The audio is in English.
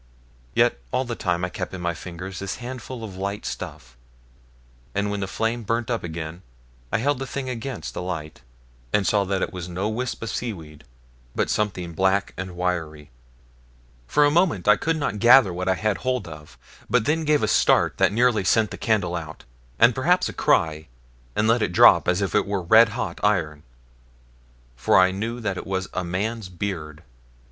Yet all the time I kept in my fingers this handful of light stuff; and when the flame burnt up again I held the thing against the light, and saw that it was no wisp of seaweed, but something black and wiry. For a moment, I could not gather what I had hold of, but then gave a start that nearly sent the candle out, and perhaps a cry, and let it drop as if it were red hot iron, for I knew that it was a man's beard.